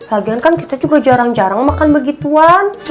lagian kan kita juga jarang jarang makan begituan